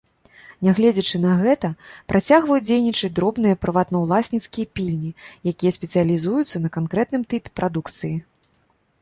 Нягледзячы на гэта, працягваюць дзейнічаць дробныя прыватнаўласніцкія пільні, якія спецыялізуюцца на канкрэтным тыпе прадукцыі.